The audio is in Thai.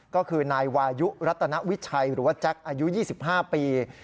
ก็คือนายวายุรัตนวิชัยหรือว่าแจ็คอายุ๒๕ปี